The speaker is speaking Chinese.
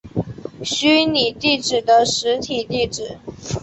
虚拟地址的实体地址。